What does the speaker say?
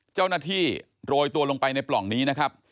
เจ้าหน้าที่โรยตัวลงไปในปล่องนี้นะครับ